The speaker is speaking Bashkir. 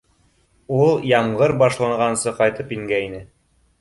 Ул ям ғыр башланғансы ҡайтып ингәйне